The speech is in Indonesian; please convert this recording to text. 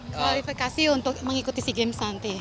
kualifikasi untuk mengikuti sea games nanti